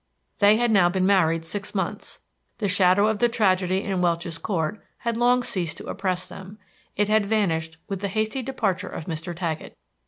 They had now been married six months. The shadow of the tragedy in Welch's Court had long ceased to oppress them; it had vanished with the hasty departure of Mr. Taggett.